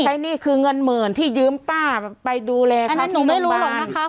หนี้คือเงินหมื่นที่ยืมป้าไปดูแลเขาหนูไม่รู้หรอกนะคะ